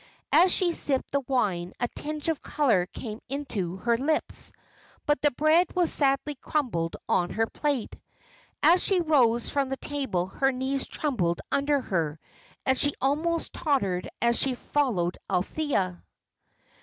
As she sipped the wine a tinge of colour came into her lips. But the bread was sadly crumbled on her plate. As she rose from the table her knees trembled under her, and she almost tottered as she followed Althea.